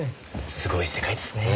すごい世界ですねぇ。